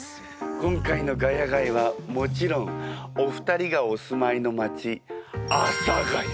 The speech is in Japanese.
今回の「ヶ谷街」はもちろんお二人がお住まいの街阿佐ヶ谷。